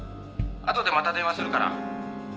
後でまた電話するから」